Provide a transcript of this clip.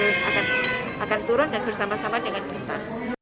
sembilan maret nanti dan itu adalah fifa dan pssi yang akan turun dan bersama sama dengan kita